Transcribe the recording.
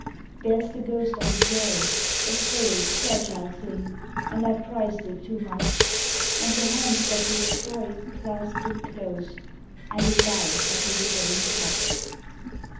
There's the ghost of a Joy, A frail, fragile thing, and I prized it too much, And the hands that destroy Clasped it close, and it died at the withering touch.